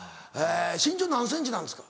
身長何ｃｍなんですか？